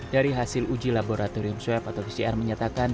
dari hasil uji laboratorium swab atau pcr menyatakan